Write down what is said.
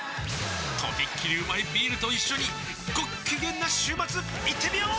とびっきりうまいビールと一緒にごっきげんな週末いってみよー！